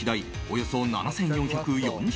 およそ７４４０円。